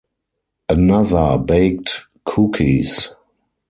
Another baked cookies.